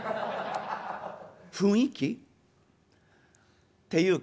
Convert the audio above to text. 雰囲気？っていうか」。